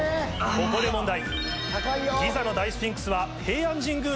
ここで問題。